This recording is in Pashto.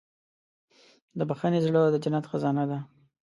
د بښنې زړه د جنت خزانه ده.